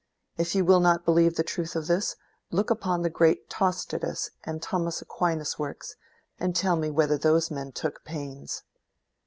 If you will not believe the truth of this, look upon great Tostatus and Thomas Aquainas' works; and tell me whether those men took pains."